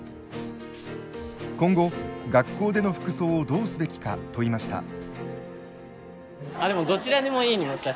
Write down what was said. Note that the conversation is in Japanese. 今後学校での服装をどうすべきか問いました。